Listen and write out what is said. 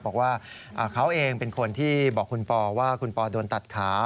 บอกว่าเขาเองเป็นคนที่บอกคุณปอว่าคุณปอโดนตัดขา